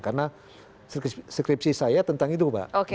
karena skripsi saya tentang itu pak